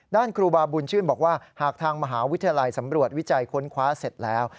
ครูบาบุญชื่นบอกว่าหากทางมหาวิทยาลัยสำรวจวิจัยค้นคว้าเสร็จแล้ว